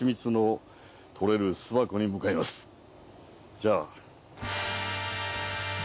じゃあ。